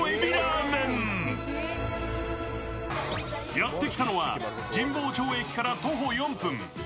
やってきたのは、神保町駅から徒歩４分。